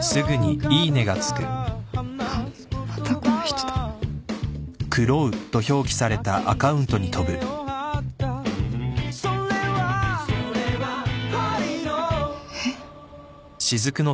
あっまたこの人だ。えっ？